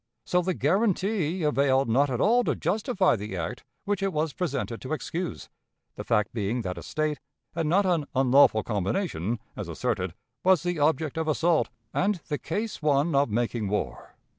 " So the guarantee availed not at all to justify the act which it was presented to excuse the fact being that a State, and not an "unlawful combination," as asserted, was the object of assault, and the case one of making war.